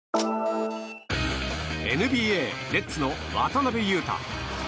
ＮＢＡネッツの渡邊雄太。